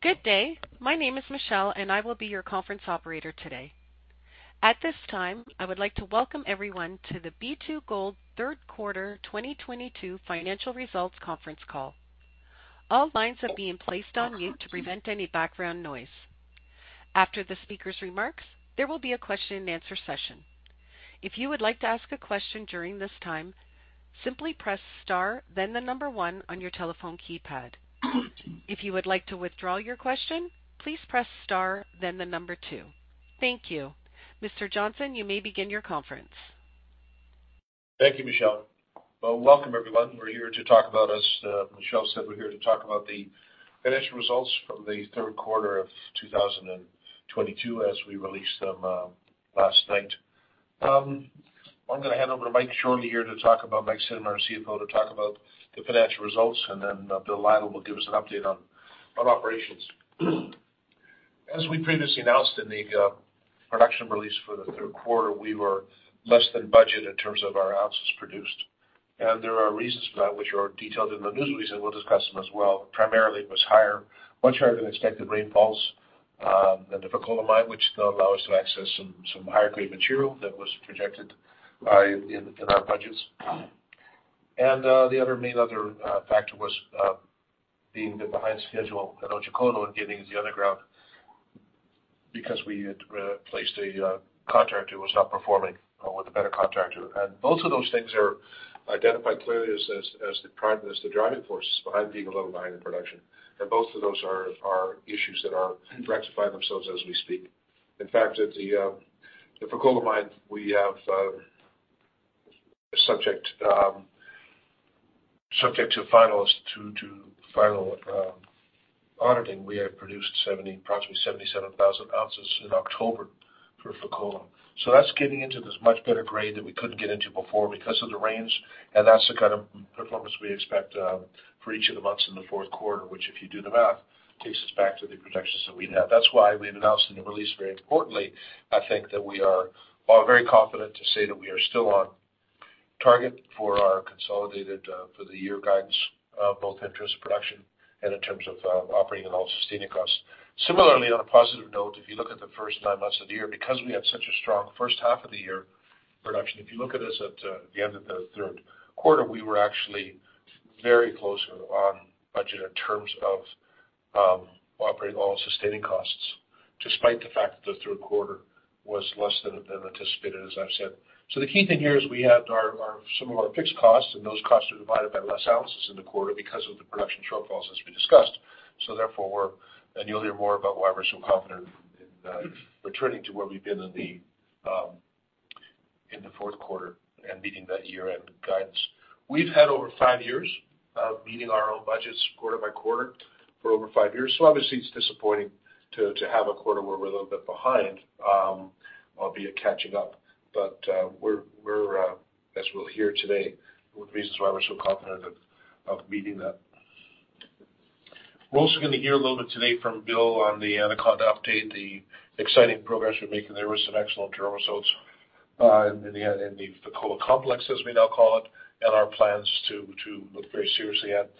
Good day. My name is Michelle, and I will be your conference operator today. At this time, I would like to welcome everyone to the B2Gold third quarter 2022 financial results conference call. All lines are being placed on mute to prevent any background noise. After the speaker's remarks, there will be a question-and-answer session. If you would like to ask a question during this time, simply press star then the number one on your telephone keypad. If you would like to withdraw your question, please press star then the number two. Thank you. Mr. Johnson, you may begin your conference. Thank you, Michelle. Well, welcome everyone. We're here to talk about the financial results from the third quarter of 2022, as Michelle said, as we released them last night. I'm gonna hand over to Mike Cinnamond here, our CFO, to talk about the financial results, and then Bill Lytle will give us an update on operations. As we previously announced in the production release for the third quarter, we were less than budget in terms of our ounces produced. There are reasons for that which are detailed in the news release, and we'll discuss them as well. Primarily, it was much higher than expected rainfalls in the Fekola Mine, which don't allow us to access some higher-grade material that was projected in our budgets. The other main factor was being a bit behind schedule at Otjikoto and getting into the underground because we had replaced a contractor who was underperforming with a better contractor. Both of those things are identified clearly as the prime driving forces behind being a little behind in production. Both of those are issues that are rectifying themselves as we speak. In fact, at the Fekola Mine, subject to final auditing, we have produced approximately 77,000 oz in October for Fekola. That's getting into this much better grade that we couldn't get into before because of the rains, and that's the kind of performance we expect for each of the months in the fourth quarter, which, if you do the math, takes us back to the projections that we have. That's why we've announced in the release very importantly, I think that we are very confident to say that we are still on target for our consolidated for the year guidance both in terms of production and in terms of operating and all sustaining costs. Similarly, on a positive note, if you look at the first nine months of the year, because we had such a strong first half of the year production, if you look at us at the end of the third quarter, we were actually very close on budget in terms of all-in sustaining costs, despite the fact that the third quarter was less than anticipated, as I've said. The key thing here is we had some of our fixed costs, and those costs are divided by less ounces in the quarter because of the production shortfalls as we discussed. You'll hear more about why we're so confident in returning to where we've been in the fourth quarter and meeting that year-end guidance. We've had over five years of meeting our own budgets quarter-by-quarter for over five years. Obviously, it's disappointing to have a quarter where we're a little bit behind, albeit catching up. We're as we'll hear today, one of the reasons why we're so confident of meeting that. We're also gonna hear a little bit today from Bill on the Anaconda update, the exciting progress we're making there with some excellent drill results in the Fekola Complex, as we now call it, and our plans to look very seriously at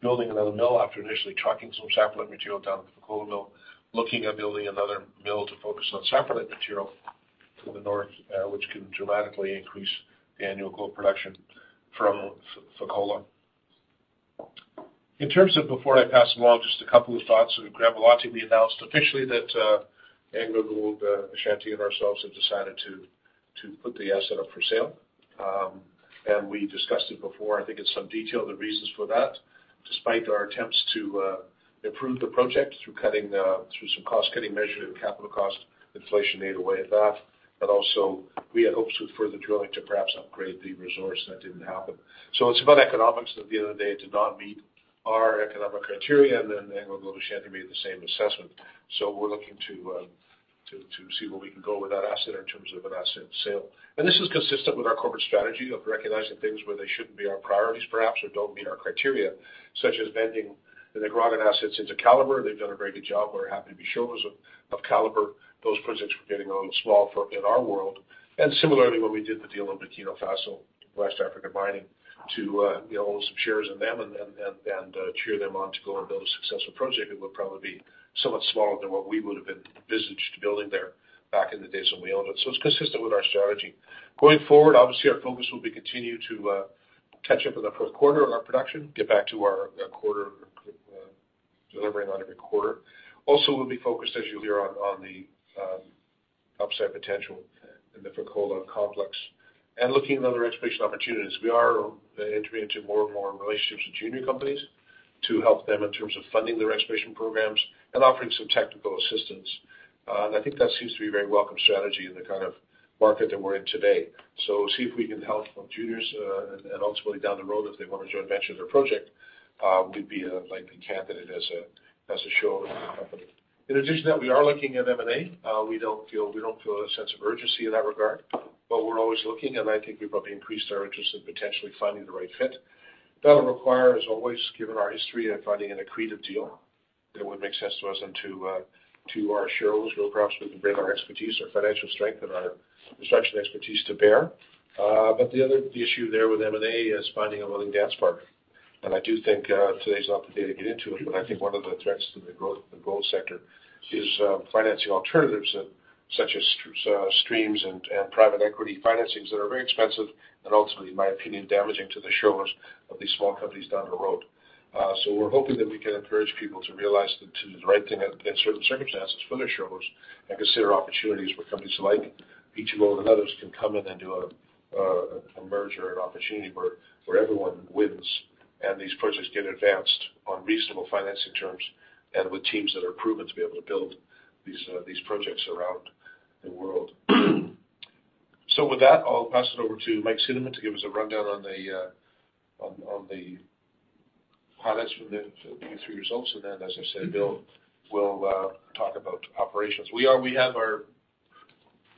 building another mill after initially trucking some separate material down to the Fekola mill, looking at building another mill to focus on separate material to the north, which can dramatically increase the annual gold production from Fekola. In terms of before I pass them on, just a couple of thoughts. We've got a lot to be announced officially that AngloGold Ashanti and ourselves have decided to put the asset up for sale. We discussed it before. I think in some detail, the reasons for that, despite our attempts to improve the project through cutting through some cost-cutting measure and capital cost, inflation ate away at that. We had hopes with further drilling to perhaps upgrade the resource. That didn't happen. It's about economics. At the end of the day, it did not meet our economic criteria, and then AngloGold Ashanti made the same assessment. We're looking to see where we can go with that asset in terms of an asset sale. This is consistent with our corporate strategy of recognizing things where they shouldn't be our priorities perhaps, or don't meet our criteria, such as vending the Nicaraguan assets into Calibre. They've done a very good job. We're happy to be shareholders of Calibre. Those projects were getting a little small for in our world. Similarly, when we did the deal with Burkina Faso, West African Resources, to be able to own some shares in them and cheer them on to go and build a successful project, it would probably be somewhat smaller than what we would have envisioned building there back in the days when we owned it. It's consistent with our strategy. Going forward, obviously, our focus will be to continue to catch up with the fourth quarter of our production, get back to our quarter, delivering on every quarter. Also, we'll be focused, as you'll hear, on the upside potential in the Fekola Complex and looking at other exploration opportunities. We are entering into more and more relationships with junior companies to help them in terms of funding their exploration programs and offering some technical assistance. I think that seems to be a very welcome strategy in the kind of market that we're in today. See if we can help juniors and ultimately down the road, if they want to joint venture their project, we'd be a likely candidate as a shareholder company. In addition to that, we are looking at M&A. We don't feel a sense of urgency in that regard, but we're always looking, and I think we've probably increased our interest in potentially finding the right fit. That'll require, as always, given our history of finding an accretive deal. That would make sense to us and to our shareholders. Well, perhaps we can bring our expertise, our financial strength, and our construction expertise to bear. The other issue there with M&A is finding a willing dance partner. I do think today's not the day to get into it, but I think one of the threats to the growth, the gold sector is financing alternatives such as streams and private equity financings that are very expensive and ultimately, in my opinion, damaging to the shareholders of these small companies down the road. We're hoping that we can encourage people to realize that to do the right thing in certain circumstances for their shareholders and consider opportunities where companies like B2Gold and others can come in and do a merger, an opportunity where everyone wins and these projects get advanced on reasonable financing terms and with teams that are proven to be able to build these projects around the world. With that, I'll pass it over to Mike Cinnamond to give us a rundown on the highlights from the Q3 results. As I said, Bill will talk about operations. We have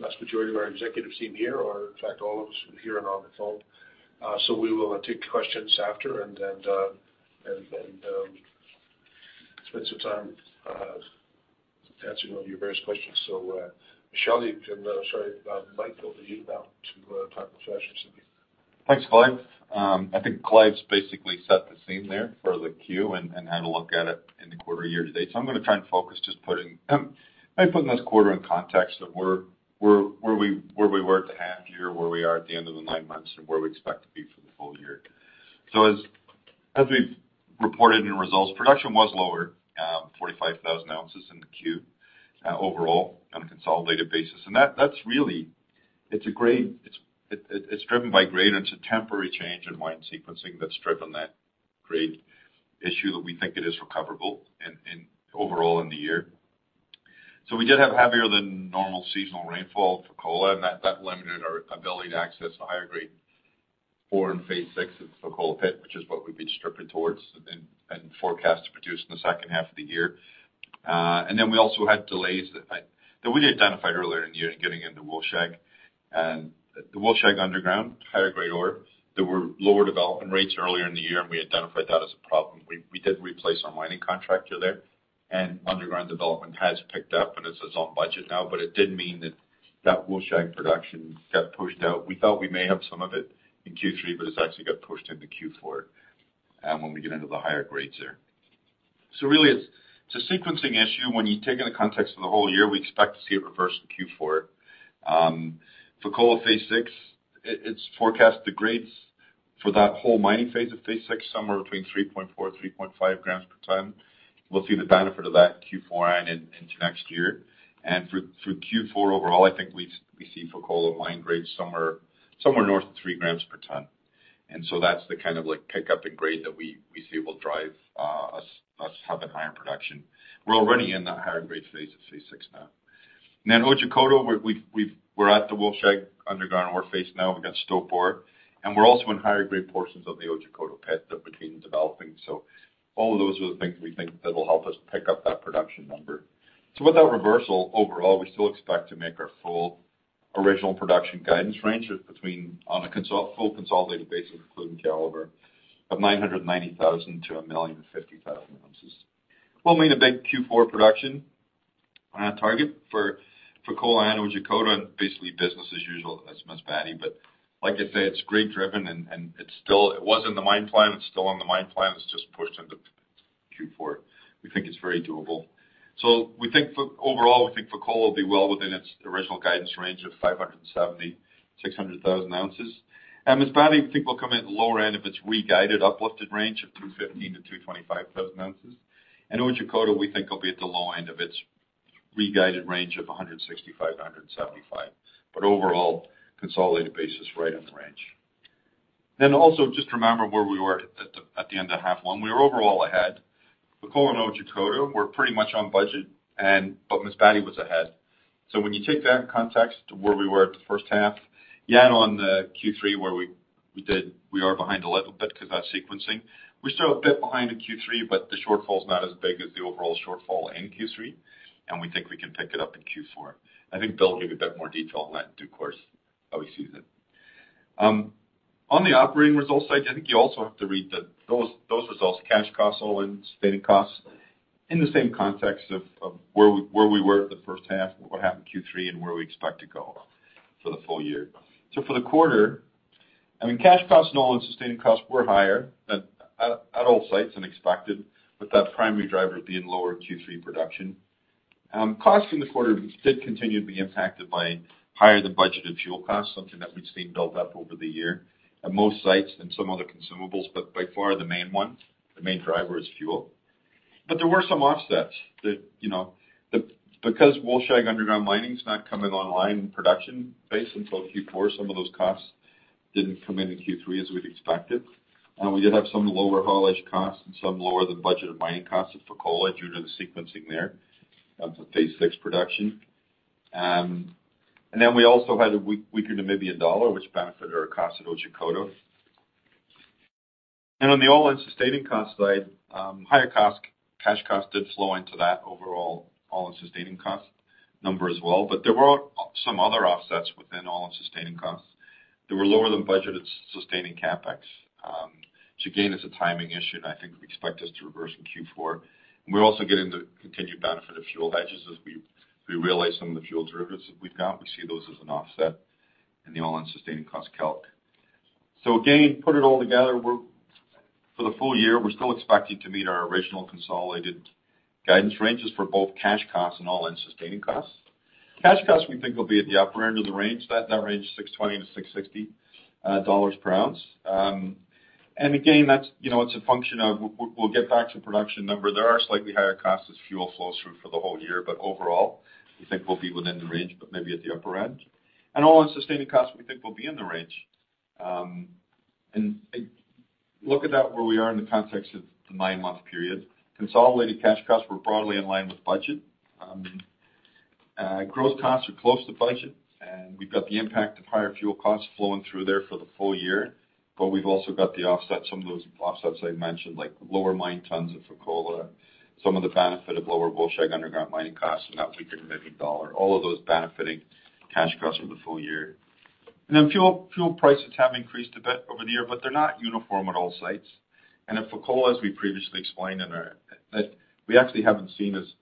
our vast majority of our executive team here, or in fact, all of us here and on the phone. We will take questions after, and spend some time answering all your various questions. Shelly, sorry, Mike, over to you now to talk about. Thanks, Clive. I think Clive's basically set the scene there for the Q&A and had a look at it in the quarter year to date. I'm gonna try and focus just putting maybe this quarter in context of where we were at the half year, where we are at the end of the nine months, and where we expect to be for the full year. As we've reported in results, production was lower 45,000 oz in the Q overall on a consolidated basis. That's really. It's a grade, it's driven by grade, and it's a temporary change in mining sequencing that's driven that grade issue that we think it is recoverable overall in the year. We did have heavier than normal seasonal rainfall for Fekola, and that limited our ability to access the higher grade ore in Phase 6 of Fekola pit, which is what we've been stripping towards and forecast to produce in the second half of the year. Then we also had delays that we identified earlier in the year in getting into Wolfshag. The Wolfshag underground, higher grade ore, there were lower development rates earlier in the year, and we identified that as a problem. We did replace our mining contractor there, and underground development has picked up, and it's on budget now, but it did mean that Wolfshag production got pushed out. We thought we may have some of it in Q3, but it's actually got pushed into Q4, when we get into the higher grades there. Really, it's a sequencing issue. When you take in the context of the whole year, we expect to see it reverse in Q4. Fekola Phase 6, it's forecast the grades for that whole mining phase of Phase 6, somewhere between 3.4 g-3.5 g per ton. We'll see the benefit of that in Q4 and into next year. Through Q4 overall, I think we see Fekola Mine grade somewhere north of 3 g per ton. That's the kind of, like, pickup in grade that we see will drive us having higher production. We're already in that higher grade phase of Phase 6 now. Otjikoto, we're at the Wolfshag underground ore face now. We've got stope ore. We're also in higher grade portions of the Otjikoto pit that we've been developing. All of those are the things we think that will help us pick up that production number. With that reversal, overall, we still expect to make our full original production guidance range between, on a full consolidated basis, including Calibre, of 990,000 oz-1,050,000 oz. We'll meet a big Q4 production on our target for Fekola and Otjikoto and basically business as usual at Masbate. Like I say, it's grade driven, and it's still, it was in the mine plan, it's still in the mine plan. It's just pushed into Q4. We think it's very doable. We think for overall, we think Fekola will be well within its original guidance range of 570,000 oz-600,000 oz. At Masbate, we think we'll come in at the lower end of its re-guided uplifted range of 215,000 oz-225,000 oz. Otjikoto, we think, will be at the low end of its re-guided range of 165,000 oz-175,000 oz. Overall, consolidated basis, right in the range. Just remember where we were at the end of half one. We were overall ahead. Fekola and Otjikoto were pretty much on budget, but Masbate was ahead. When you take that context to where we were at the first half, on Q3, where we are behind a little bit because of that sequencing. We're still a bit behind in Q3, but the shortfall is not as big as the overall shortfall in Q3, and we think we can pick it up in Q4. I think Bill will give a bit more detail on that in due course how he sees it. On the operating results side, I think you also have to read those results, cash costs, all-in sustaining costs, in the same context of where we were at the first half, what happened Q3, and where we expect to go for the full year. For the quarter, I mean, cash costs and all-in sustaining costs were higher at all sites than expected, with that primary driver being lower Q3 production. Costs in the quarter did continue to be impacted by higher than budgeted fuel costs, something that we've seen build up over the year at most sites and some other consumables, but by far the main one, the main driver is fuel. There were some offsets that, you know, because Wolfshag underground mining is not coming online production base until Q4, some of those costs didn't come in in Q3 as we'd expected. We did have some lower haulage costs and some lower than budgeted mining costs at Fekola due to the sequencing there of the Phase 6 production. We also had a weaker Namibian dollar, which benefited our costs at Otjikoto. On the all-in sustaining costs side, higher cash costs did flow into that overall all-in sustaining cost number as well. There were some other offsets within all-in sustaining costs. There were lower than budgeted sustaining CapEx. Again, it's a timing issue, and I think we expect this to reverse in Q4. We're also getting the continued benefit of fuel hedges as we realize some of the fuel derivatives that we've got, we see those as an offset in the all-in sustaining cost calc. Again, put it all together, we're for the full year still expecting to meet our original consolidated guidance ranges for both cash costs and all-in sustaining costs. Cash costs, we think will be at the upper end of the range, that range $620-$660 per ounce. And again, that's, you know, it's a function of we'll get back to production number. There are slightly higher costs as fuel flows through for the whole year, but overall, we think we'll be within the range, but maybe at the upper end. All-in sustaining costs, we think will be in the range. Look at that where we are in the context of the nine-month period. Consolidated cash costs were broadly in line with budget. Growth costs are close to budget, and we've got the impact of higher fuel costs flowing through there for the full year. We've also got the offset, some of those offsets I mentioned, like lower mined tons of Fekola, some of the benefit of lower Wolfshag underground mining costs and that weaker Namibian dollar, all of those benefiting cash costs for the full year. Fuel prices have increased a bit over the year, but they're not uniform at all sites. At Fekola, as we previously explained, we actually haven't seen as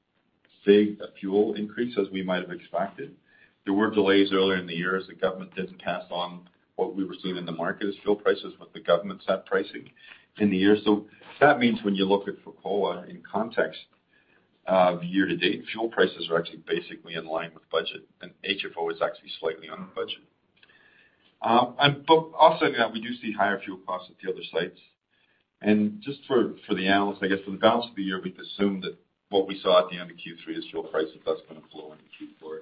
big a fuel increase as we might have expected. There were delays earlier in the year as the government didn't pass on what we were seeing in the market as fuel prices with the government set pricing in the year. That means when you look at Fekola in context of year to date, fuel prices are actually basically in line with budget, and HFO is actually slightly under budget. But offsetting that, we do see higher fuel costs at the other sites. Just for the analyst, I guess for the balance of the year, we've assumed that what we saw at the end of Q3 is fuel prices, that's gonna flow into Q4.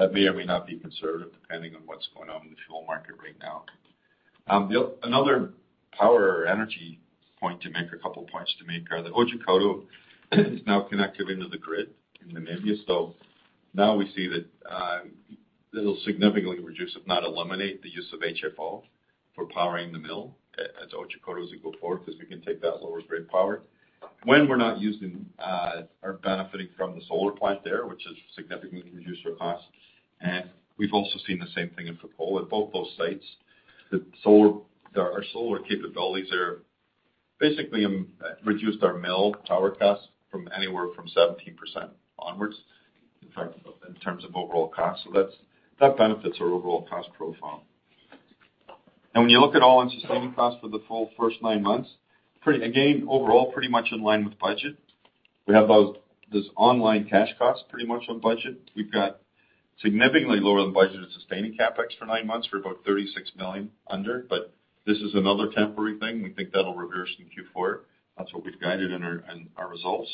That may or may not be conservative depending on what's going on in the fuel market right now. Another power or energy point to make or couple of points to make are that Otjikoto is now connected into the grid in Namibia. Now we see that, it'll significantly reduce, if not eliminate, the use of HFO for powering the mill at Otjikoto as we go forward 'cause we can take that lower grid power. When we're not using, or benefiting from the solar plant there, which has significantly reduced our costs. We've also seen the same thing in Fekola. At both those sites, the solar, our solar capabilities there basically, reduced our mill power costs from anywhere from 17% onwards, in fact, in terms of overall cost. That's, that benefits our overall cost profile. When you look at all-in sustaining costs for the full first nine months, again, overall, pretty much in line with budget. We have our all-in cash cost pretty much on budget. We've got significantly lower than budgeted sustaining CapEx for nine months for about $36 million under, but this is another temporary thing. We think that'll reverse in Q4. That's what we've guided in our results.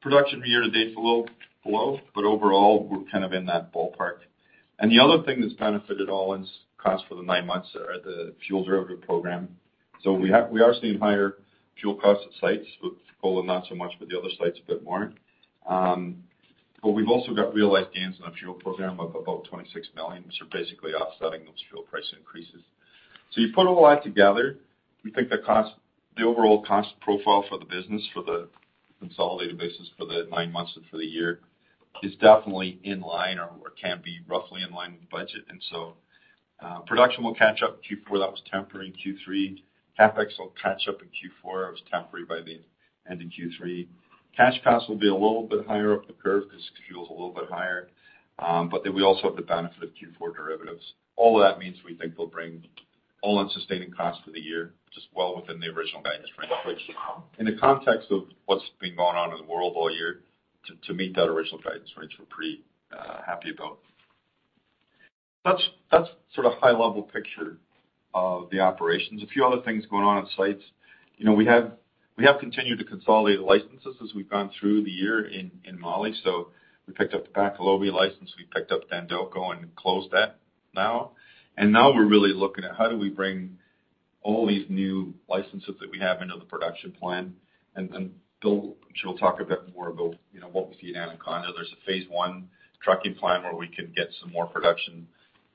Production year to date below, but overall, we're kind of in that ballpark. The other thing that's benefited all-in costs for the nine months are the fuel derivative program. We are seeing higher fuel costs at sites, with Fekola not so much, but the other sites a bit more. We've also got realized gains on a fuel program of about $26 million, which are basically offsetting those fuel price increases. You put all that together, we think the cost, the overall cost profile for the business for the consolidated basis for the nine months and for the year is definitely in line or can be roughly in line with the budget. Production will catch up in Q4. That was temporary in Q3. CapEx will catch up in Q4. It was temporary by the end in Q3. Cash costs will be a little bit higher up the curve 'cause fuel's a little bit higher. But then we also have the benefit of Q4 derivatives. All of that means we think will bring all-in sustaining costs for the year just well within the original guidance range, which in the context of what's been going on in the world all year, to meet that original guidance range, we're pretty happy about. That's a sort of high-level picture of the operations. A few other things going on at sites. You know, we have continued to consolidate licenses as we've gone through the year in Mali. We picked up the Bakolobi license, we picked up Dandoko and closed that now. Now we're really looking at how do we bring all these new licenses that we have into the production plan. Bill, he'll talk a bit more about, you know, what we see in Anaconda. There's a Phase 1 trucking plan where we can get some more production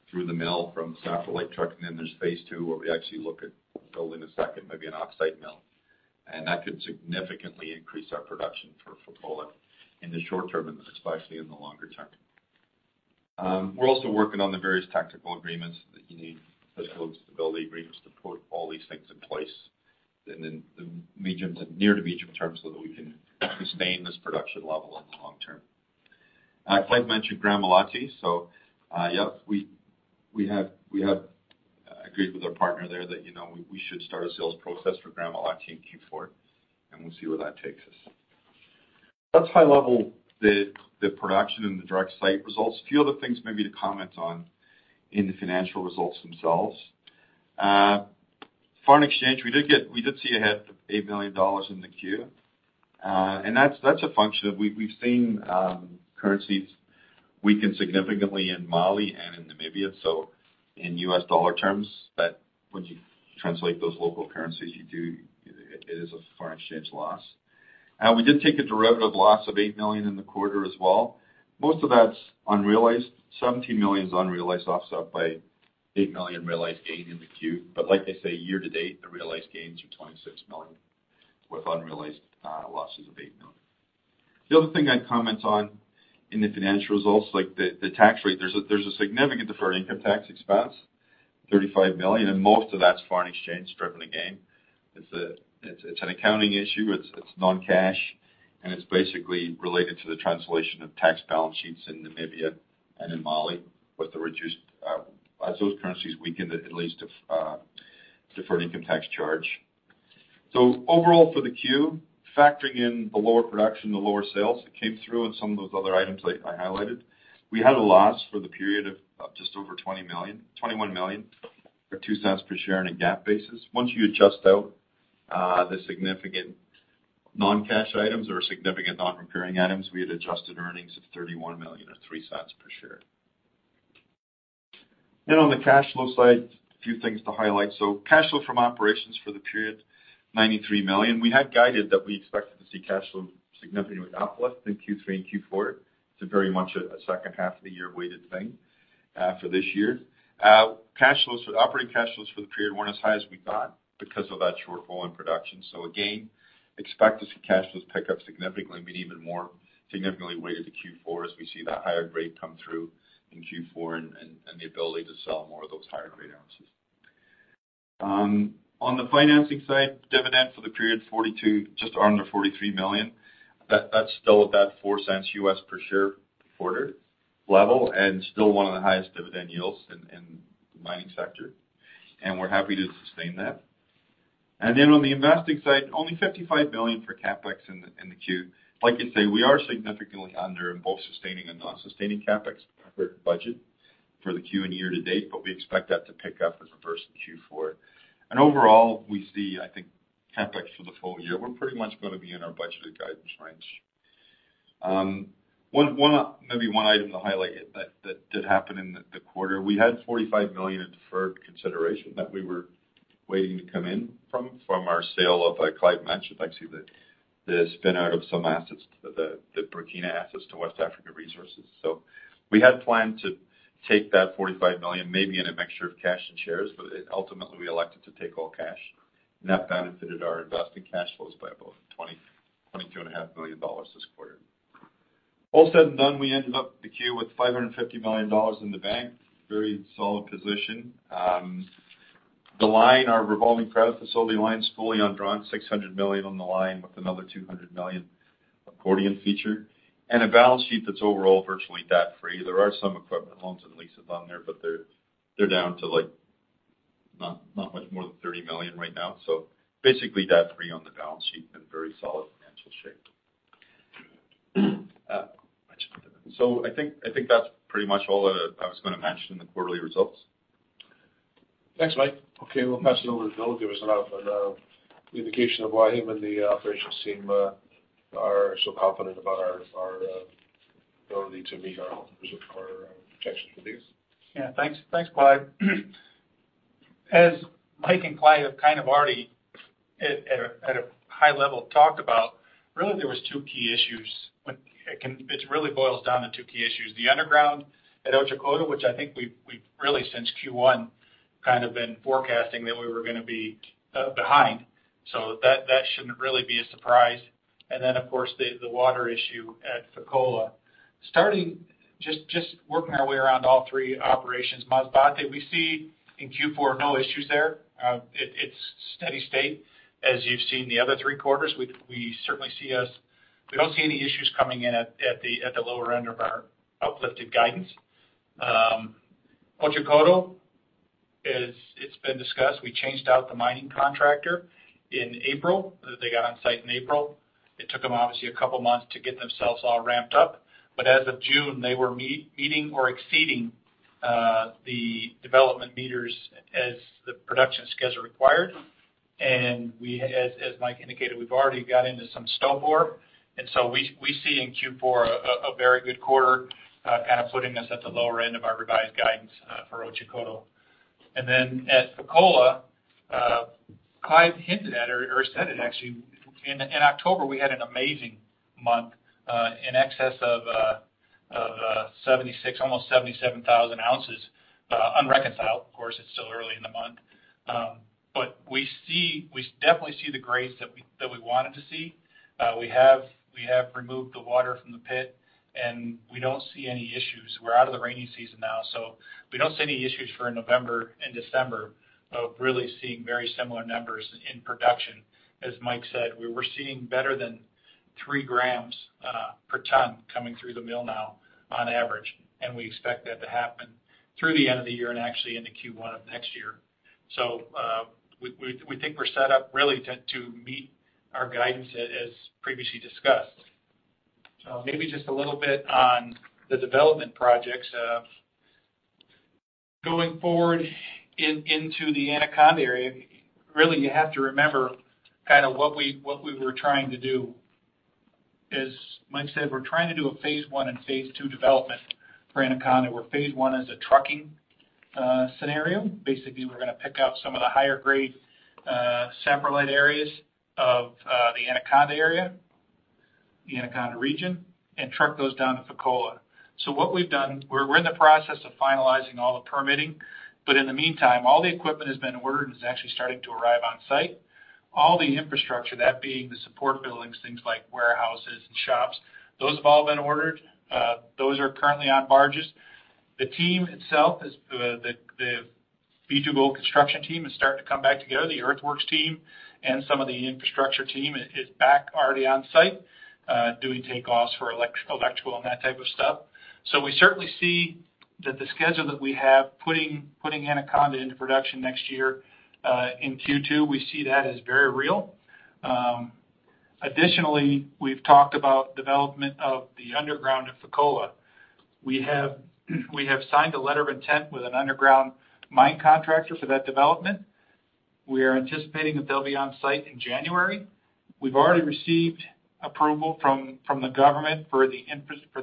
through the mill from satellite trucking. Then there's Phase 2, where we actually look at building a second, maybe an oxide mill. That could significantly increase our production for Fekola in the short term and especially in the longer term. We're also working on the various technical agreements that you need, fiscal stability agreements to put all these things in place in the near to medium term, so that we can sustain this production level in the long term. Clive mentioned Gramalote. Yep, we have agreed with our partner there that, you know, we should start a sales process for Gramalote in Q4, and we'll see where that takes us. That's high-level, the production and the direct site results. A few other things maybe to comment on in the financial results themselves. Foreign exchange, we did see a hit of $8 million in the quarter. That's a function of we've seen currencies weaken significantly in Mali and in Namibia. In U.S. dollar terms, that once you translate those local currencies, you do, it is a foreign exchange loss. We did take a derivative loss of $8 million in the quarter as well. Most of that's unrealized. $70 million is unrealized, offset by $8 million realized gain in the Q. Like I say, year to date, the realized gains are $26 million, with unrealized losses of $8 million. The other thing I'd comment on in the financial results, like the tax rate, there's a significant deferred income tax expense, $35 million, and most of that's foreign exchange driven again. It's an accounting issue, it's non-cash, and it's basically related to the translation of tax balance sheets in Namibia and in Mali. As those currencies weaken, it leads to deferred income tax charge. Overall for the Q, factoring in the lower production, the lower sales that came through and some of those other items that I highlighted, we had a loss for the period of just over $20 million, $21 million, or $0.02 per share on a GAAP basis. Once you adjust out the significant non-cash items or significant non-recurring items, we had adjusted earnings of $31 million or $0.03 per share. On the cash flow side, a few things to highlight. Cash flow from operations for the period, $93 million. We had guided that we expected to see cash flow significantly uplift in Q3 and Q4. It's very much a second half of the year weighted thing for this year. Operating cash flows for the period weren't as high as we thought because of that shortfall in production. Again, expect to see cash flows pick up significantly and be even more significantly weighted to Q4 as we see that higher grade come through in Q4 and the ability to sell more of those higher grade ounces. On the financing side, dividend for the period $42 million, just under $43 million. That's still about $0.04 per share quarter level, and still one of the highest dividend yields in the mining sector. We're happy to sustain that. Then on the investing side, only $55 million for CapEx in the Q. Like I say, we are significantly under in both sustaining and non-sustaining CapEx for our budget for the Q and year to date, but we expect that to pick up as we enter Q4. Overall, we see, I think, CapEx for the full year, we're pretty much gonna be in our budgeted guidance range. One item to highlight that did happen in the quarter, we had $45 million in deferred consideration that we were waiting to come in from our sale of, Clive mentioned, actually, the spin out of some assets, the Burkina assets to West African Resources. We had planned to take that $45 million, maybe in a mixture of cash and shares, but it ultimately, we elected to take all cash. That benefited our investing cash flows by about $22.5 million this quarter. All said and done, we ended up the Q with $550 million in the bank, very solid position. The line, our revolving credit facility line's fully undrawn, $600 million on the line with another $200 million accordion feature. A balance sheet that's overall virtually debt-free. There are some equipment loans and leases on there, but they're down to, like, not much more than $30 million right now. Basically debt-free on the balance sheet and very solid financial shape. I think that's pretty much all that I was gonna mention in the quarterly results. Thanks, Mike. Okay, we'll pass it over to Bill, give us an indication of why him and the operations team are so confident about our ability to meet our projections for these. Yeah. Thanks, Clive. As Mike and Clive have kind of already at a high level talked about, really there was two key issues. It really boils down to two key issues. The underground at Otjikoto, which I think we've really since Q1 kind of been forecasting that we were gonna be behind. So that shouldn't really be a surprise. And then, of course, the water issue at Fekola. Starting just working our way around all three operations. Masbate, we see in Q4 no issues there. It's steady state as you've seen the other three quarters. We certainly see us. We don't see any issues coming in at the lower end of our uplifted guidance. Otjikoto is, it's been discussed. We changed out the mining contractor in April that they got on site in April. It took them obviously a couple of months to get themselves all ramped up. As of June, they were meeting or exceeding the development meters as the production schedule required. As Mike indicated, we've already got into some stope ore. We see in Q4 a very good quarter kind of putting us at the lower end of our revised guidance for Otjikoto. Then at Fekola, Clive hinted at or said it actually in October we had an amazing month in excess of 76,000 oz, almost 77,000 oz unreconciled. Of course, it's still early in the month. We see, we definitely see the grades that we wanted to see. We have removed the water from the pit, and we don't see any issues. We're out of the rainy season now, so we don't see any issues for November and December of really seeing very similar numbers in production. As Mike said, we were seeing better than 3 g per ton coming through the mill now on average, and we expect that to happen through the end of the year and actually into Q1 of next year. We think we're set up really to meet our guidance as previously discussed. Maybe just a little bit on the development projects. Going forward into the Anaconda Area, really you have to remember kind of what we were trying to do. As Mike said, we're trying to do a Phase 1 and Phase 2 development for Anaconda, where Phase 1 is a trucking scenario. Basically, we're gonna pick out some of the higher grade saprolite areas of the Anaconda Area, the Anaconda region, and truck those down to Fekola. What we've done, we're in the process of finalizing all the permitting. In the meantime, all the equipment has been ordered and is actually starting to arrive on site. All the infrastructure, that being the support buildings, things like warehouses and shops, those have all been ordered. Those are currently on barges. The team itself is the B2Gold construction team is starting to come back together. The earthworks team and some of the infrastructure team is back already on site, doing takeoffs for electrical and that type of stuff. We certainly see that the schedule that we have, putting Anaconda into production next year, in Q2, we see that as very real. Additionally, we've talked about development of the underground at Fekola. We have signed a letter of intent with an underground mine contractor for that development. We are anticipating that they'll be on site in January. We've already received approval from the government for the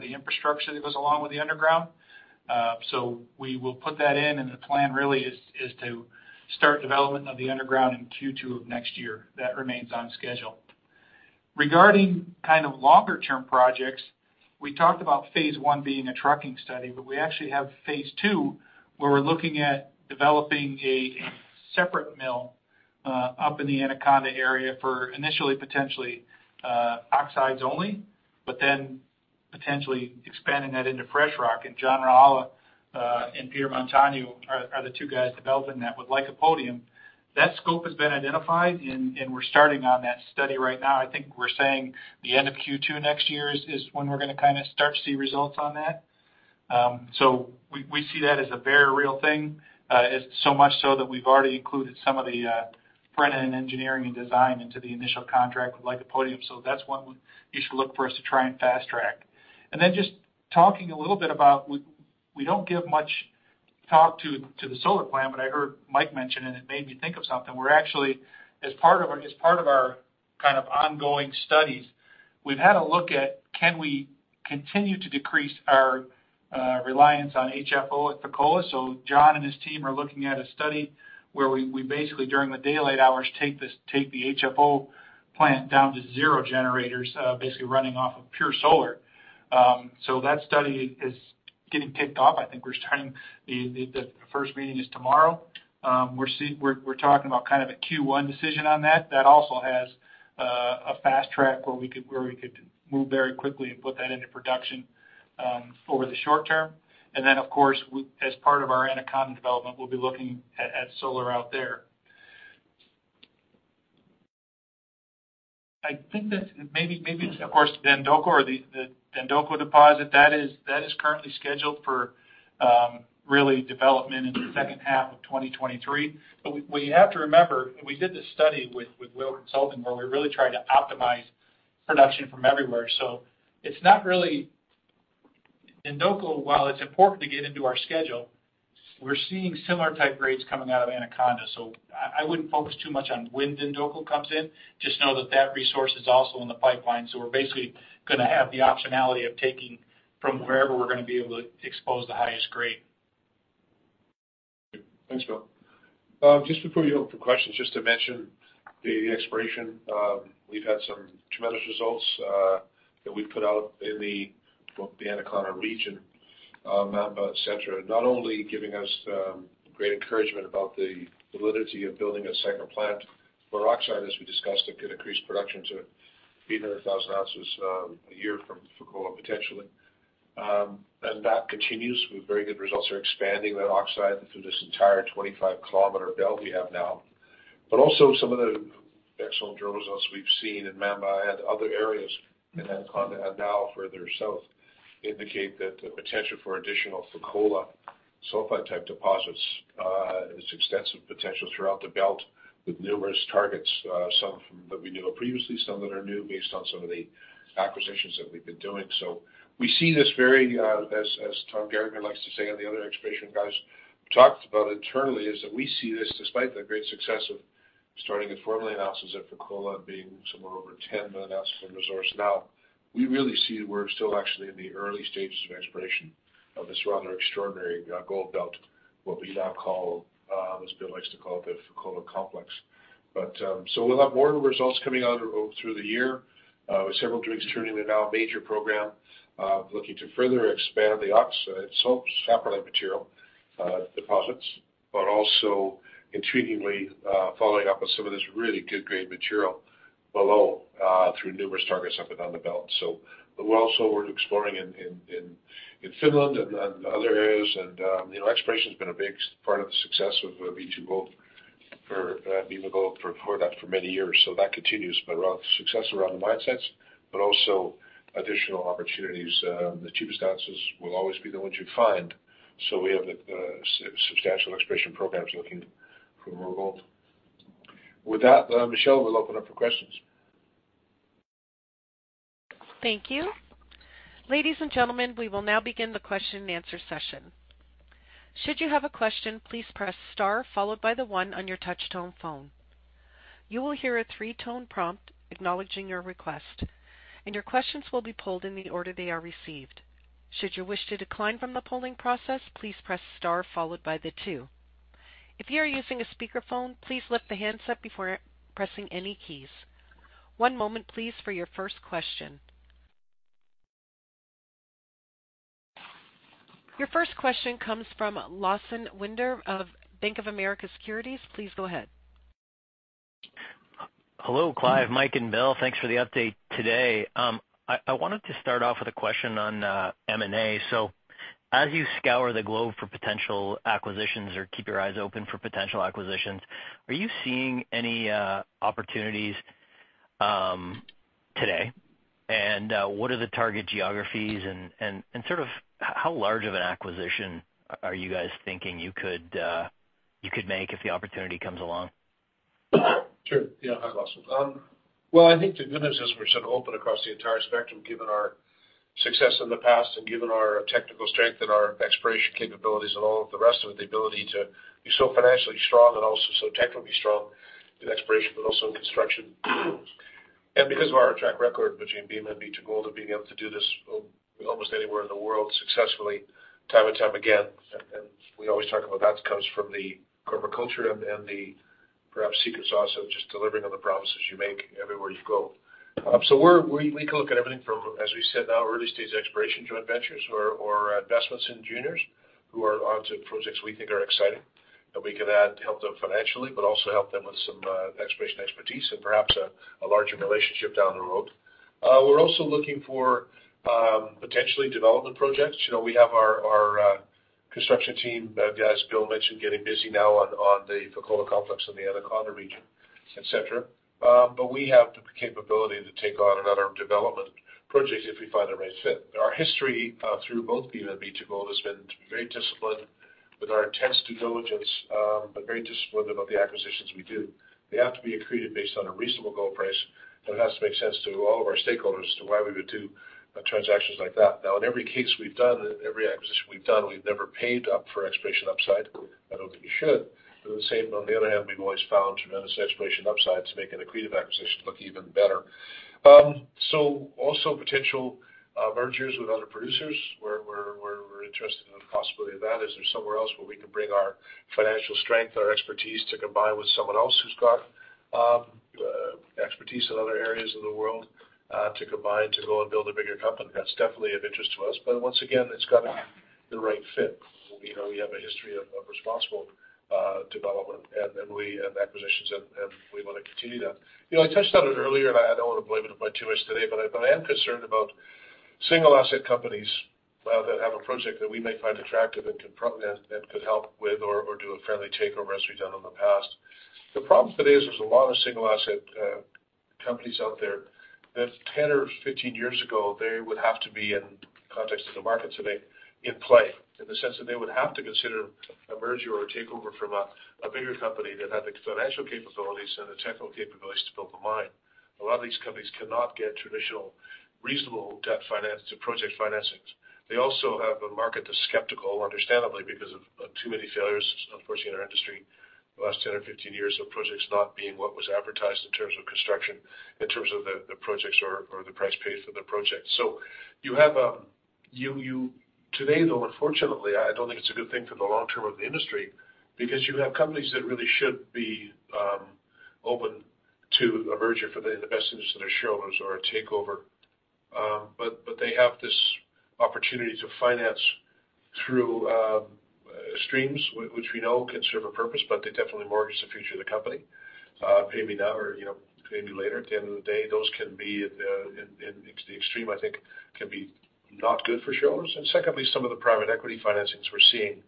infrastructure that goes along with the underground. We will put that in, and the plan really is to start development of the underground in Q2 of next year. That remains on schedule. Regarding kind of longer-term projects, we talked about Phase 1 being a trucking study, but we actually have Phase 2, where we're looking at developing a separate mill up in the Anaconda Area for initially potentially oxides only, but then potentially expanding that into fresh rock. John Rajala and Peter Montano are the two guys developing that with Lycopodium. That scope has been identified and we're starting on that study right now. I think we're saying the end of Q2 next year is when we're gonna kind of start to see results on that. We see that as a very real thing so much so that we've already included some of the front-end engineering and design into the initial contract with Lycopodium. That's one you should look for us to try and fast-track. Just talking a little bit about, we don't give much talk to the solar plan, but I heard Mike mention it, and it made me think of something. We're actually, as part of our kind of ongoing studies, we've had a look at can we continue to decrease our reliance on HFO at Fekola. John and his team are looking at a study where we basically, during the daylight hours, take the HFO plant down to zero generators, basically running off of pure solar. That study is getting kicked off. I think we're starting the first meeting is tomorrow. We're talking about kind of a Q1 decision on that. That also has a fast track where we could move very quickly and put that into production over the short term. Then, of course, was part of our Anaconda development, we'll be looking at solar out there. I think that's maybe it's of course Dandoko or the Dandoko deposit. That is currently scheduled for really development in the second half of 2023. We have to remember, we did this study with Whittle Consulting, where we really tried to optimize production from everywhere. It's not really Dandoko, while it's important to get into our schedule, we're seeing similar type grades coming out of Anaconda. I wouldn't focus too much on when Dandoko comes in. Just know that resource is also in the pipeline, so we're basically gonna have the optionality of taking from wherever we're gonna be able to expose the highest grade. Thanks, Bill. Just before you open for questions, just to mention the exploration. We've had some tremendous results that we've put out in the, well, the Anaconda region, Mamba, et cetera. Not only giving us great encouragement about the validity of building a second plant. For oxide, as we discussed, it could increase production to 800,000 oz a year from Fekola, potentially. That continues with very good results. We're expanding that oxide through this entire 25 km belt we have now. Also some of the excellent drill results we've seen in Mamba and other areas in Anaconda and now further south indicate that the potential for additional Fekola sulfide-type deposits is extensive potential throughout the belt with numerous targets, some from that we knew of previously, some that are new based on some of the acquisitions that we've been doing. We see this very, as Tom Garagan likes to say, and the other exploration guys talked about internally is that we see this despite the great success of starting at 4,000,000 oz at Fekola and being somewhere over 10,000,000 oz in resource now. We really see we're still actually in the early stages of exploration of this rather extraordinary gold belt, what we now call, as Bill likes to call it, the Fekola complex. We'll have more results coming out through the year, with several drills turning into now a major program, looking to further expand the oxide saprolite, sulfide material, deposits, but also intriguingly, following up on some of this really good grade material below, through numerous targets up and down the belt. We're also exploring in Finland and other areas. You know, exploration's been a big part of the success of B2Gold for finding the gold for many years. That continues, with success around the mine sites, but also additional opportunities, the cheapest ounces will always be the ones you find. We have substantial exploration programs looking for more gold. With that, Michelle, we'll open up for questions. Thank you. Ladies and gentlemen, we will now begin the question and answer session. Should you have a question, please press star followed by the one on your touch tone phone. You will hear a three-tone prompt acknowledging your request, and your questions will be pulled in the order they are received. Should you wish to decline from the polling process, please press star followed by the two. If you are using a speakerphone, please lift the handset before pressing any keys. One moment please for your first question. Your first question comes from Lawson Winder of Bank of America Securities. Please go ahead. Hello, Clive, Mike and Bill. Thanks for the update today. I wanted to start off with a question on M&A. As you scour the globe for potential acquisitions or keep your eyes open for potential acquisitions, are you seeing any opportunities today? What are the target geographies and sort of how large of an acquisition are you guys thinking you could make if the opportunity comes along? Sure. Yeah. Hi, Lawson. Well, I think the good news is we're sort of open across the entire spectrum, given our success in the past and given our technical strength and our exploration capabilities and all of the rest of it, the ability to be so financially strong and also so technically strong in exploration, but also in construction. Because of our track record between B2Gold and being able to do this almost anywhere in the world successfully time and time again, and we always talk about that comes from the corporate culture and the perhaps secret sauce of just delivering on the promises you make everywhere you go. We can look at everything from, as we said, our early-stage exploration joint ventures or investments in juniors who are onto projects we think are exciting, that we can add to help them financially, but also help them with some exploration expertise and perhaps a larger relationship down the road. We're also looking for potentially development projects. You know, we have our construction team, as Bill mentioned, getting busy now on the Fekola complex in the Anaconda region, et cetera. We have the capability to take on another development project if we find the right fit. Our history through both B2Gold has been very disciplined with our intense due diligence, but very disciplined about the acquisitions we do. They have to be accreted based on a reasonable gold price, but it has to make sense to all of our stakeholders to why we would do transactions like that. Now, in every case we've done and every acquisition we've done, we've never paid up for exploration upside. I don't think we should. At the same, on the other hand, we've always found tremendous exploration upsides to make an accretive acquisition look even better. Also potential mergers with other producers. We're interested in the possibility of that. Is there somewhere else where we can bring our financial strength, our expertise to combine with someone else who's got expertise in other areas of the world, to combine to go and build a bigger company? That's definitely of interest to us, but once again, it's got to be the right fit. You know, we have a history of responsible development and acquisitions, and we wanna continue that. You know, I touched on it earlier, and I don't want to belabor my point too much today, but I am concerned about single asset companies that have a project that we may find attractive and could help with or do a friendly takeover as we've done in the past. The problem today is there's a lot of single asset companies out there that 10 or 15 years ago, they would have to be, in context of the market today, in play, in the sense that they would have to consider a merger or a takeover from a bigger company that had the financial capabilities and the technical capabilities to build the mine. A lot of these companies cannot get traditional reasonable debt finance to project financings. They also have a market that's skeptical, understandably, because of too many failures, unfortunately, in our industry the last 10 or 15 years of projects not being what was advertised in terms of construction, in terms of the projects or the price paid for the project. Today, though, unfortunately, I don't think it's a good thing for the long term of the industry because you have companies that really should be open to a merger for the best interest of their shareholders or a takeover, but they have this opportunity to finance through streams, which we know can serve a purpose, but they definitely mortgage the future of the company, pay me now or, you know, pay me later. At the end of the day, those can be in the extreme, I think, can be not good for shareholders. Secondly, some of the private equity financings we're seeing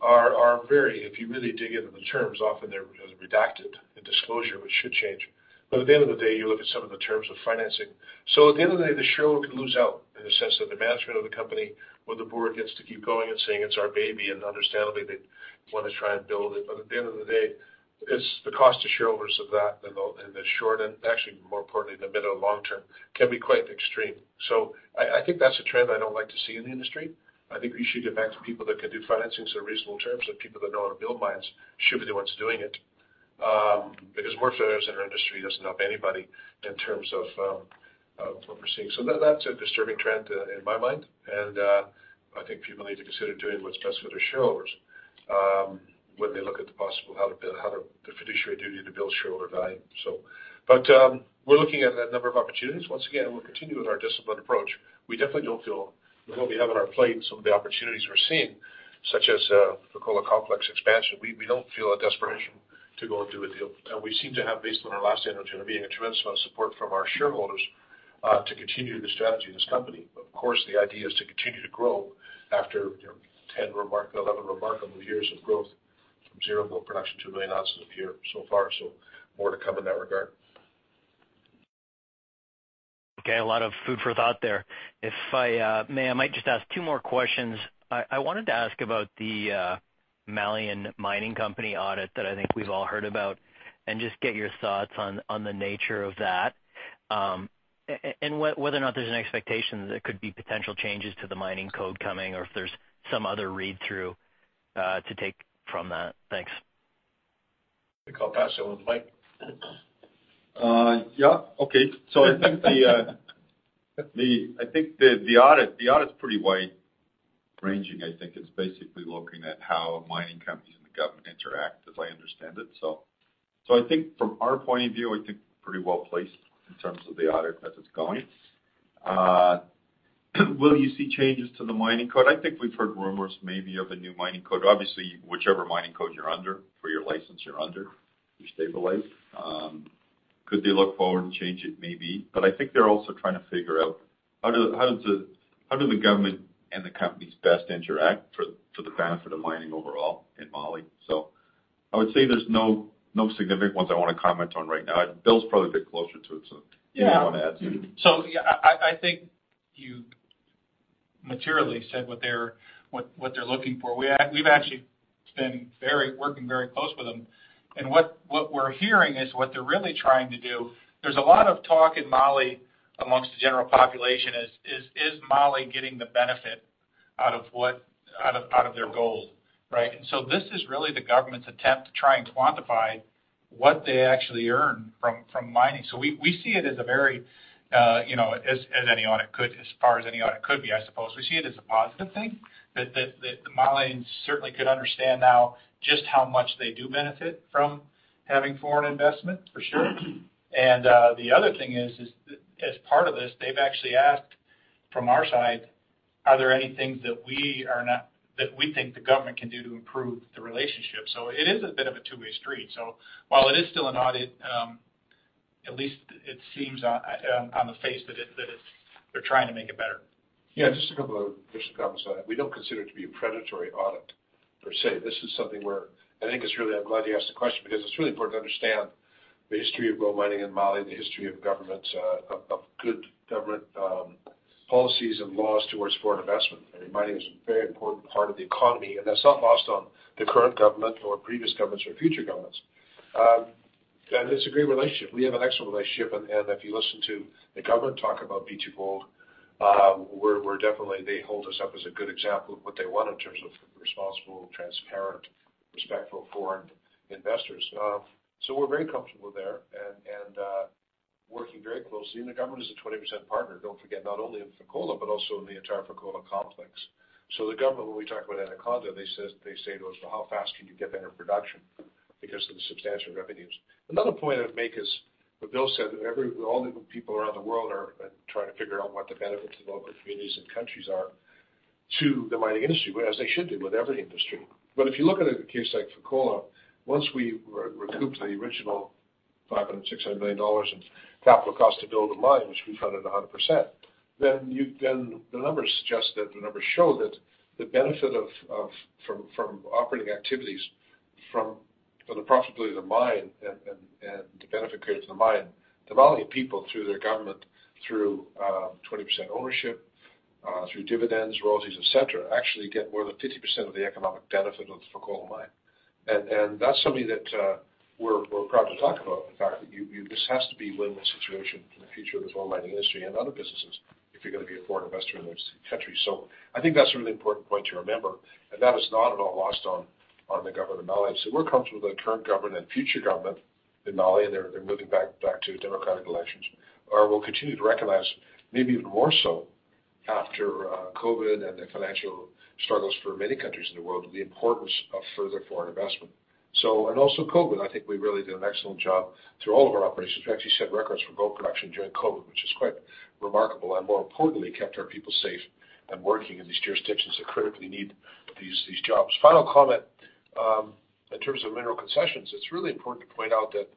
are very, if you really dig into the terms, often they're redacted in disclosure, which should change. At the end of the day, you look at some of the terms of financing. At the end of the day, the shareholder could lose out in the sense that the management of the company or the board gets to keep going and saying, "It's our baby," and understandably, they wanna try and build it. At the end of the day, it's the cost to shareholders of that in the short and actually more importantly, in the middle and long term can be quite extreme. I think that's a trend I don't like to see in the industry. I think we should get back to people that can do financings at reasonable terms, and people that know how to build mines should be the ones doing it. Because more failures in our industry doesn't help anybody in terms of what we're seeing. That's a disturbing trend in my mind, and I think people need to consider doing what's best for their shareholders when they look at the fiduciary duty to build shareholder value. We're looking at a number of opportunities. Once again, we'll continue with our disciplined approach. We definitely don't feel with what we have on our plate and some of the opportunities we're seeing, such as Fekola Complex expansion, we don't feel a desperation to go and do a deal. We seem to have, based on our last annual general meeting, a tremendous amount of support from our shareholders to continue the strategy of this company. Of course, the idea is to continue to grow after, you know, 11 remarkable years of growth from zero gold production to 2,000,000 oz a year so far, so more to come in that regard. Okay. A lot of food for thought there. If I may, I might just ask two more questions. I wanted to ask about the Mali Mining Company audit that I think we've all heard about, and just get your thoughts on the nature of that. Whether or not there's an expectation that there could be potential changes to the mining code coming or if there's some other read-through to take from that. Thanks. I think I'll pass it on to Mike. Yeah. Okay. I think the audit's pretty wide. Ranging, I think, is basically looking at how mining companies and the government interact, as I understand it. I think from our point of view, I think pretty well-placed in terms of the audit as it's going. Will you see changes to the mining code? I think we've heard rumors maybe of a new mining code. Obviously, whichever mining code you're under for your license, you're under, you stabilize. Could they look forward and change it? Maybe. I think they're also trying to figure out how the government and the companies best interact for the benefit of mining overall in Mali? I would say there's no significant ones I wanna comment on right now. Bill Lytle's probably a bit closer to it, so anyone adds anything. Yeah, I think you materially said what they're looking for. We've actually been working very close with them. What we're hearing is what they're really trying to do. There's a lot of talk in Mali amongst the general population is Mali getting the benefit out of their gold, right? This is really the government's attempt to try and quantify what they actually earn from mining. We see it as a very as far as any audit could be, I suppose. We see it as a positive thing that the Malians certainly could understand now just how much they do benefit from having foreign investment, for sure. The other thing is as part of this, they've actually asked from our side, are there any things that we think the government can do to improve the relationship? It is a bit of a two-way street. While it is still an audit, at least it seems on the face that it's. They're trying to make it better. Yeah. Just a couple of additional comments on that. We don't consider it to be a predatory audit, per se. This is something where I think it's really. I'm glad you asked the question because it's really important to understand the history of gold mining in Mali, the history of governments of good government policies and laws towards foreign investment. I mean, mining is a very important part of the economy, and that's not lost on the current government or previous governments or future governments. It's a great relationship. We have an excellent relationship and if you listen to the government talk about B2Gold, we're definitely. They hold us up as a good example of what they want in terms of responsible, transparent, respectful foreign investors. We're very comfortable there and working very closely. The government is a 20% partner, don't forget, not only in Fekola, but also in the entire Fekola complex. The government, when we talk about Anaconda, they say to us, "Well, how fast can you get that in production?" Because of the substantial revenues. Another point I'd make is what Bill said, that all the people around the world are trying to figure out what the benefits of local communities and countries are to the mining industry, as they should do with every industry. If you look at a case like Fekola, once we recoup the original $500 million-$600 million in capital cost to build a mine, which we funded 100%, then the numbers suggest that, the numbers show that the benefit of, From operating activities, from the profitability of the mine and the benefit created to the mine, the Mali people, through their government, through 20% ownership, through dividends, royalties, et cetera, actually get more than 50% of the economic benefit of the Fekola mine. That's something that we're proud to talk about. The fact that this has to be win-win situation in the future of this whole mining industry and other businesses if you're gonna be a foreign investor in those countries. I think that's a really important point to remember, and that is not at all lost on the government of Mali. We're comfortable with the current government and future government in Mali, and they're moving back to democratic elections, or will continue to recognize maybe even more so after COVID and the financial struggles for many countries in the world, the importance of further foreign investment. Also COVID, I think we really did an excellent job through all of our operations. We actually set records for gold production during COVID, which is quite remarkable, and more importantly, kept our people safe and working in these jurisdictions that critically need these jobs. Final comment, in terms of mineral concessions, it's really important to point out that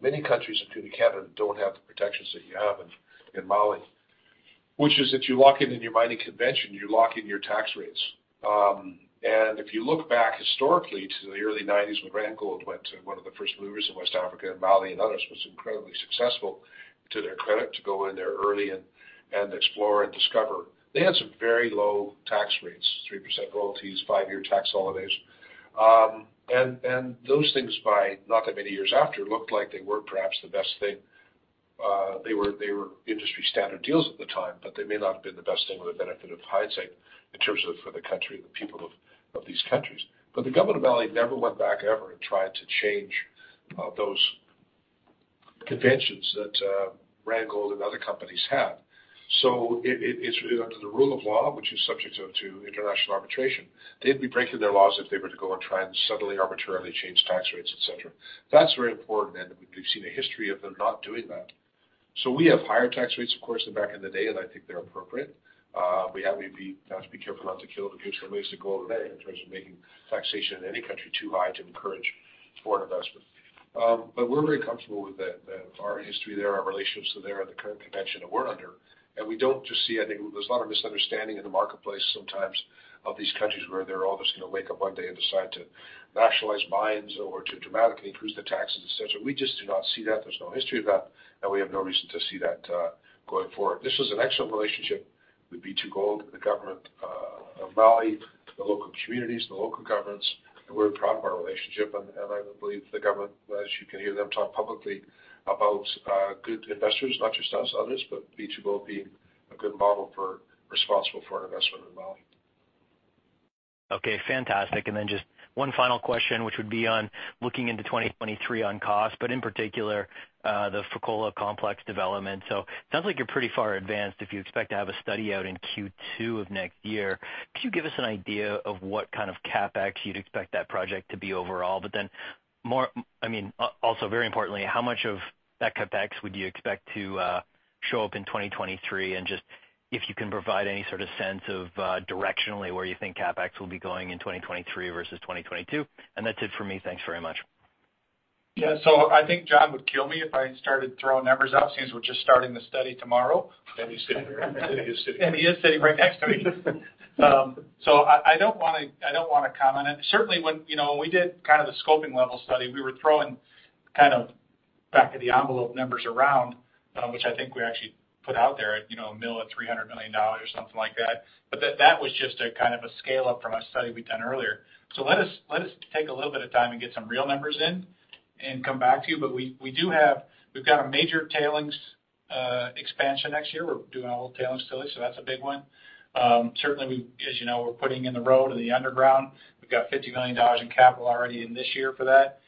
many countries, including Canada, don't have the protections that you have in Mali, which is that you lock in your mining convention, you lock in your tax rates. If you look back historically to the early 1990s when Randgold was one of the first movers in West Africa and Mali and others, it was incredibly successful to their credit to go in there early and explore and discover. They had some very low tax rates, 3% royalties, five-year tax holidays. Those things but not that many years after looked like they weren't perhaps the best thing. They were industry standard deals at the time, but they may not have been the best thing with the benefit of hindsight in terms of for the country, the people of these countries. The government of Mali never went back ever and tried to change those conventions that Randgold and other companies had. It's under the rule of law, which is subject to international arbitration. They'd be breaking their laws if they were to go and try and suddenly arbitrarily change tax rates, et cetera. That's very important, and we've seen a history of them not doing that. We have higher tax rates, of course, than back in the day, and I think they're appropriate. We have to be careful not to kill the goose that lays the golden egg in terms of making taxation in any country too high to encourage foreign investment. But we're very comfortable with our history there, our relationships there, and the current convention that we're under. We don't just see. I think there's a lot of misunderstanding in the marketplace sometimes of these countries where they're all just gonna wake up one day and decide to nationalize mines or to dramatically increase the taxes, et cetera. We just do not see that. There's no history of that, and we have no reason to see that, going forward. This is an excellent relationship with B2Gold and the government of Mali, the local communities, the local governments, and we're proud of our relationship. I believe the government, as you can hear them talk publicly about, good investors, not just us, others, but B2Gold being a good model for responsible foreign investment in Mali. Okay, fantastic. Just one final question, which would be on looking into 2023 on cost, but in particular, the Fekola complex development. It sounds like you're pretty far advanced if you expect to have a study out in Q2 of next year. Could you give us an idea of what kind of CapEx you'd expect that project to be overall? I mean, also very importantly, how much of that CapEx would you expect to show up in 2023? Just if you can provide any sort of sense of directionally, where you think CapEx will be going in 2023 versus 2022. That's it for me. Thanks very much. Yeah. I think John would kill me if I started throwing numbers out since we're just starting the study tomorrow. He is sitting here. He is sitting right next to me. I don't wanna comment on it. Certainly, you know, when we did kind of the scoping level study, we were throwing kind of back of the envelope numbers around, which I think we actually put out there at, you know, a million or $300 million or something like that. That was just a kind of a scale-up from a study we'd done earlier. Let us take a little bit of time and get some real numbers in and come back to you. We do have. We've got a major tailings expansion next year. We're doing a whole tailings facility, so that's a big one. Certainly, as you know, we're putting in the road and the underground. We've got $50 million in capital already in this year for that.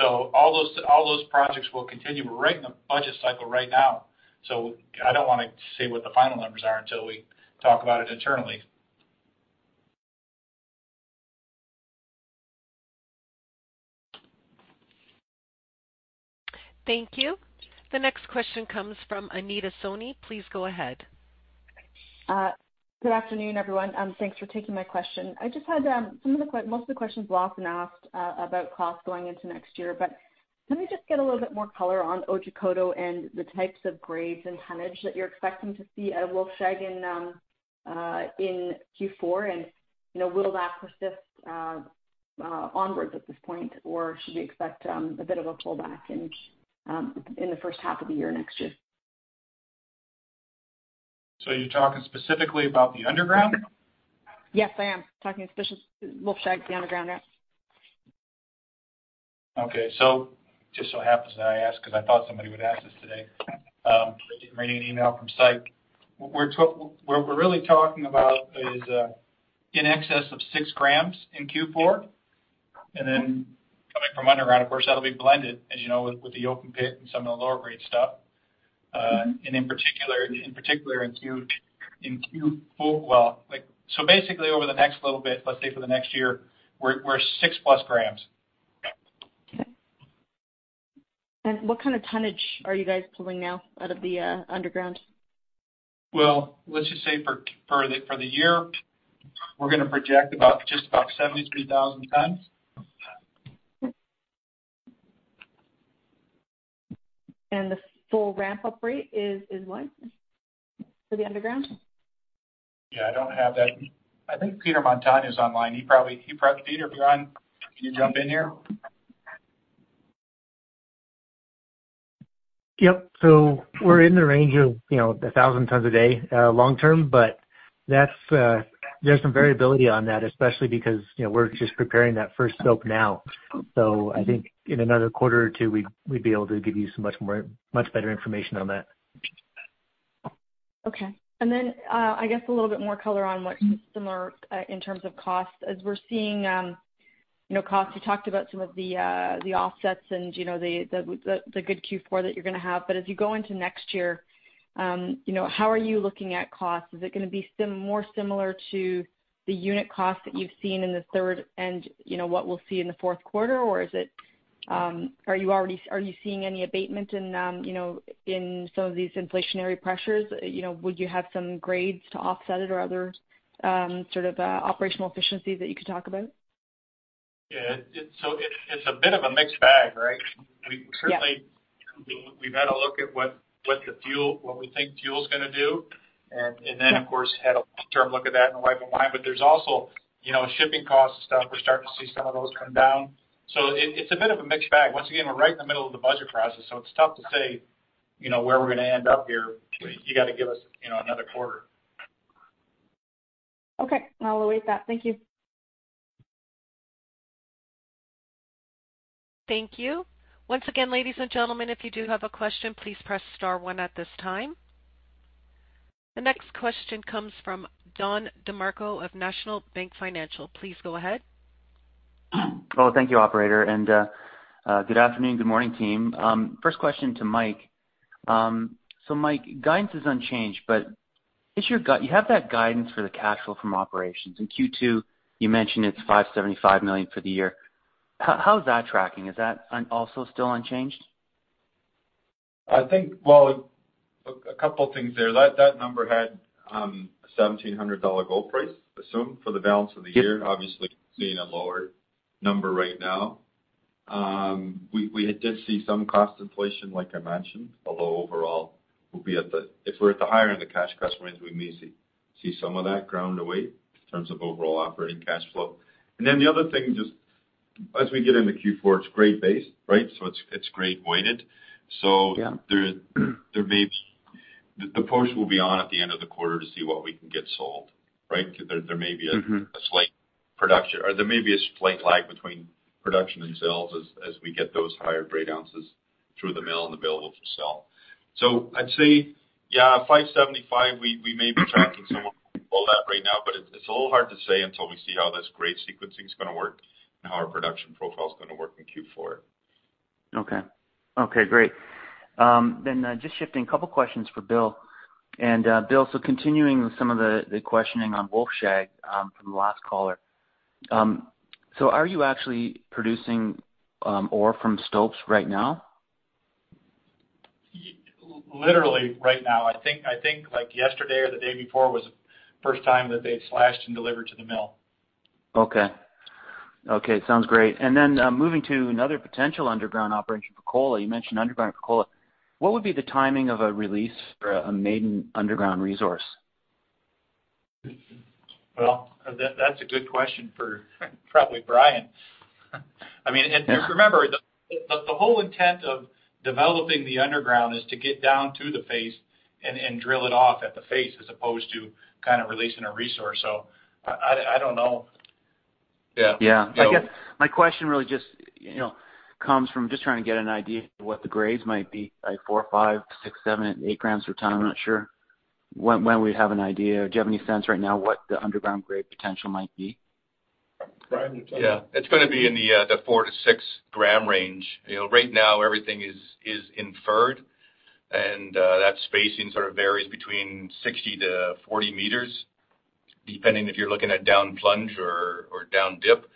All those projects will continue. We're writing the budget cycle right now, so I don't wanna say what the final numbers are until we talk about it internally. Thank you. The next question comes from Anita Soni. Please go ahead. Good afternoon, everyone. Thanks for taking my question. I just had most of the questions Lawson asked about costs going into next year. Can we just get a little bit more color on Otjikoto and the types of grades and tonnage that you're expecting to see at Wolfshag in Q4? You know, will that persist onwards at this point, or should we expect a bit of a pullback in the first half of the year next year? You're talking specifically about the underground? Yes, I am talking specific to Wolfshag, the underground, yeah. Okay. Just so happens that I asked because I thought somebody would ask this today, reading an email from site. What we're really talking about is in excess of 6 g in Q4. Then coming from underground, of course, that'll be blended, as you know, with the open pit and some of the lower grade stuff. In particular in Q4, basically over the next little bit, let's say for the next year, we're 6+ g. Okay. What kind of tonnage are you guys pulling now out of the underground? Well, let's just say for the year, we're gonna project about just about 73,000 tons. Okay. The full ramp-up rate is what for the underground? Yeah, I don't have that. I think Peter Montano's online. He probably, Peter, if you're on, can you jump in here? Yep. We're in the range of, you know, 1,000 tons a day, long term, but that's, there's some variability on that, especially because, you know, we're just preparing that first slope now. I think in another quarter or two, we'd be able to give you some much more, much better information on that. Okay. I guess a little bit more color on what's similar in terms of costs. As we're seeing, you know, costs, you talked about some of the offsets and, you know, the good Q4 that you're gonna have. As you go into next year, you know, how are you looking at costs? Is it gonna be more similar to the unit costs that you've seen in the third and, you know, what we'll see in the fourth quarter? Are you seeing any abatement in, you know, in some of these inflationary pressures? You know, would you have some grades to offset it or other sort of operational efficiencies that you could talk about? Yeah. It's a bit of a mixed bag, right? Yeah. We've certainly had a look at what we think fuel's gonna do, and then of course had a long-term look at that a year behind. There's also, you know, shipping costs and stuff. We're starting to see some of those come down. It's a bit of a mixed bag. Once again, we're right in the middle of the budget process, so it's tough to say, you know, where we're gonna end up here. You got to give us, you know, another quarter. Okay. I'll await that. Thank you. Thank you. Once again, ladies and gentlemen, if you do have a question, please press star one at this time. The next question comes from Don DeMarco of National Bank Financial. Please go ahead. Well, thank you, operator. Good afternoon, good morning, team. First question to Mike. So Mike, guidance is unchanged, but you have that guidance for the cash flow from operations. In Q2, you mentioned it's $575 million for the year. How is that tracking? Is that also still unchanged? Well, a couple things there. That number had a $1,700 gold price assumed for the balance of the year, obviously seeing a lower number right now. We did see some cost inflation, like I mentioned, although overall, if we're at the higher end of the cash cost range, we may see some of that ground away in terms of overall operating cash flow. The other thing, just as we get into Q4, it's grade-based, right? It's grade-weighted. Yeah. The post will be on at the end of the quarter to see what we can get sold, right? Mm-hmm a slight production, or there may be a slight lag between production and sales as we get those higher grade ounces. Through the mill and available for sale. I'd say, yeah, $575, we may be tracking somewhat below that right now, but it's a little hard to say until we see how this grade sequencing is gonna work and how our production profile is gonna work in Q4. Okay, great. Just shifting, a couple of questions for Bill. Bill, continuing with some of the questioning on Wolfshag from the last caller. Are you actually producing ore from stopes right now? Literally right now. I think, like yesterday or the day before was the first time that they'd slashed and delivered to the mill. Okay, sounds great. Moving to another potential underground operation, Fekola. You mentioned underground Fekola. What would be the timing of a release for a maiden underground resource? Well, that's a good question for probably Brian. I mean, and remember, the whole intent of developing the underground is to get down to the face and drill it off at the face, as opposed to kind of releasing a resource. I don't know. Yeah.Yeah. I guess my question really just, you know, comes from just trying to get an idea of what the grades might be, like 4 g, 5 g, 6 g, 7 g, 8 g per ton. I'm not sure when we'd have an idea. Do you have any sense right now what the underground grade potential might be? Brian, do you want to take that? Yeah. It's gonna be in the 4 g-6 g range. You know, right now everything is inferred, and that spacing sort of varies between 60 m-40 m, depending if you're looking at down plunge or down dip.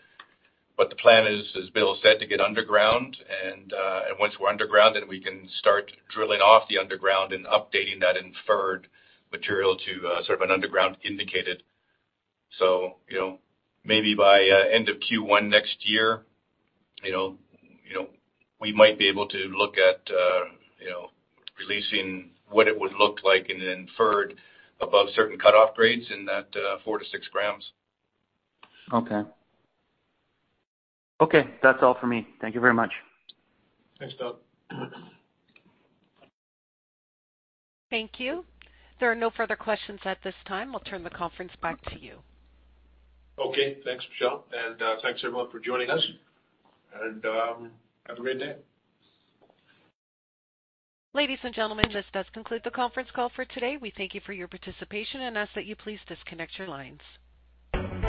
The plan is, as Bill said, to get underground and once we're underground, then we can start drilling off the underground and updating that inferred material to sort of an underground indicated. You know, maybe by end of Q1 next year, you know, we might be able to look at releasing what it would look like in an inferred above certain cutoff grades in that 4 g-6 g. Okay. Okay, that's all for me. Thank you very much. Thanks, Don DeMarco. Thank you. There are no further questions at this time. I'll turn the conference back to you. Okay. Thanks, Michelle. Thanks everyone for joining us. Have a great day. Ladies and gentlemen, this does conclude the conference call for today. We thank you for your participation and ask that you please disconnect your lines.